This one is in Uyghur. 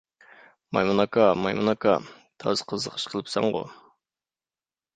مايمۇن ئاكا، مايمۇن ئاكا، تازا قىزىق ئىش قىلىپسەنغۇ!